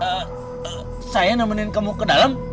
eh saya nemenin kamu ke dalam